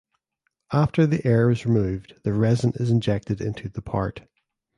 After the air is removed the resin is injected into the part.